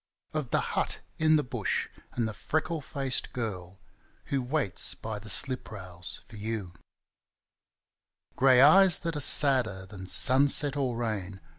Of the hut in the Bush and the freckled faced girl Who waits by the slip rails for you 1 Grey eyes that are sadder than sunset or rain.